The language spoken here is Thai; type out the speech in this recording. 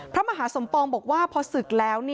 พระมหาสมปองบอกว่าพอศึกแล้ว